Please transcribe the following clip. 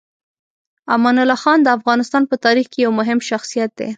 امان الله خان د افغانستان په تاریخ کې یو مهم شخصیت دی.